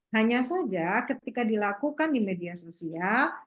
hanya saja ketika dilakukan di media sosial